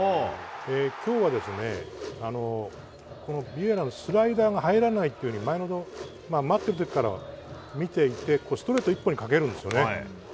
今日は、ビエイラのスライダーが入らないっていうふうに待ってる時から見ていてストレート一本にかけるんですね。